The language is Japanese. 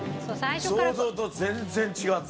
想像と全然違った。